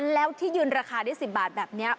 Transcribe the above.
แล้วที่ยืนราคาได้๑๐บาทแบบนี้